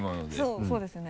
そうそうですね。